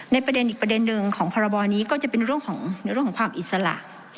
ประเด็นอีกประเด็นหนึ่งของพรบนี้ก็จะเป็นเรื่องของความอิสระ